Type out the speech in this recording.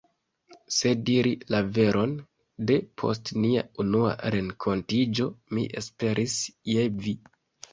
Se diri la veron, de post nia unua renkontiĝo mi esperis je vi!